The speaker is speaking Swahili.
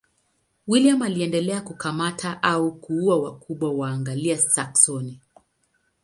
William aliendelea kukamata au kuua wakubwa wa Waanglia-Saksoni.